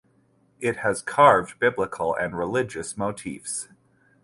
It has carved biblical and religious motifs.